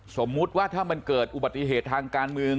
สมมุติว่าถ้ามันเกิดอุบัติเหตุทางการเมือง